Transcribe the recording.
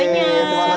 terima kasih banyak